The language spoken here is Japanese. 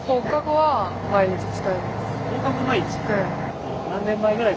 はい。